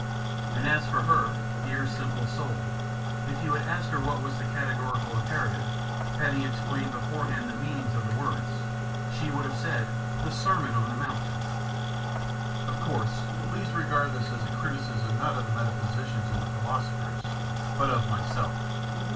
And as for her, dear, simple soul, if you had asked her what was the Categorical Imperative (having explained beforehand the meaning of the words), she would have said, "The Sermon on the Mount." Of course, please regard this as a criticism not of the metaphysicians and the philosophers, but of myself.